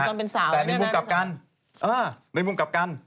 แต่ในมุมกลับกันเออในมุมกลับกัน